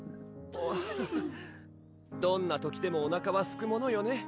どんな時でもおなかはすくものよね